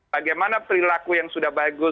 bagaimana perilaku yang sudah bagus